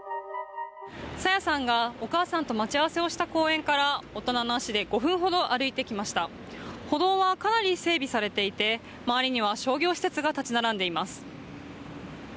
朝芽さんがお母さんと待ち合わせをした公園から大人の足で５分ほど歩いてきました歩道はかなり整備されていて周りには商業施設が立ち並んでいます。